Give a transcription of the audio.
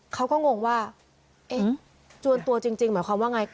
เขาก็งงว่าจวนตัวจริงหมายความว่าไง